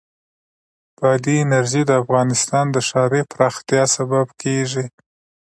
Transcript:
بادي انرژي د افغانستان د ښاري پراختیا سبب کېږي.